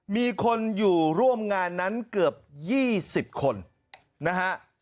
มีคนอยู่ร่วมงานนั้นเกือบ๒๐คนนะฮะ